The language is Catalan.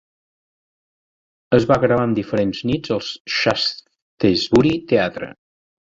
Es va gravar en diferents nits al Shaftesbury Theatre.